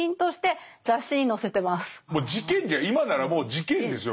今ならもう事件ですよ。